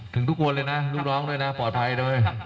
ทุกคนเลยนะลูกน้องด้วยนะปลอดภัยเลย